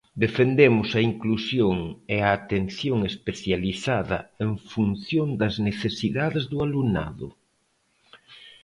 Defendemos a inclusión e a atención especializada en función das necesidades do alumnado.